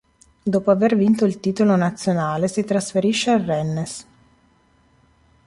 Dopo aver vinto il titolo nazionale si trasferisce al Rennes.